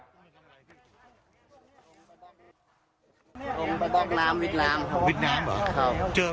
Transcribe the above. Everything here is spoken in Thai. ผมก็บล็อกน้ำวิดน้ำครับวิดน้ำเหรอ